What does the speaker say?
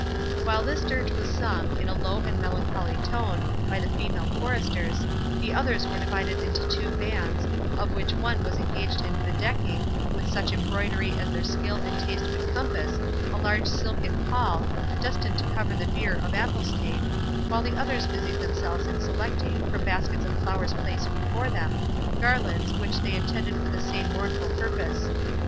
While this dirge was sung, in a low and melancholy tone, by the female choristers, the others were divided into two bands, of which one was engaged in bedecking, with such embroidery as their skill and taste could compass, a large silken pall, destined to cover the bier of Athelstane, while the others busied themselves in selecting, from baskets of flowers placed before them, garlands, which they intended for the same mournful purpose.